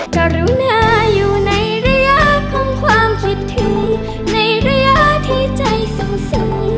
กรุณาอยู่ในระยะของความคิดถึงในระยะที่ใจสู้